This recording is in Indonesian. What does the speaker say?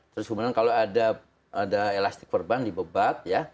terus kemudian kalau ada elastik perban di bebat ya